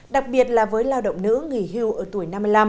đặc biệt là với lao động nữ nghỉ hưu ở tuổi năm mươi năm